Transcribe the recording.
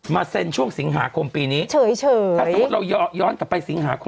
เซ็นช่วงสิงหาคมปีนี้เฉยถ้าสมมุติเราย้อนกลับไปสิงหาคม